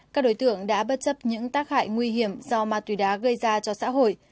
các đối tượng đã bất chấp những tác hại nguy hiểm do ma túy đá gây ra cho xã hội